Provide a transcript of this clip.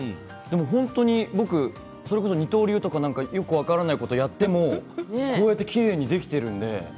本当に僕、それこそ二刀流とかよく分からないことをやってもこうやってきれいにできているので。